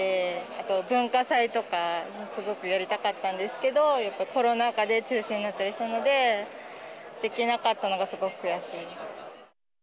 あと文化祭とか、すごくやりたかったんですけど、やっぱりコロナ禍で中止になったりしたので、できなかったのがすごく悔しい。